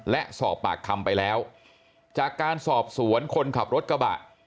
และสอบปากคำไปแล้วจากการสอบสวนคนขับรถกระบะ